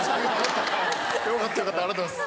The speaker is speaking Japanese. よかったよかったありがとうございます。